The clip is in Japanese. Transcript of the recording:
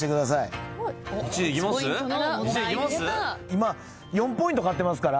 今４ポイント勝ってますから。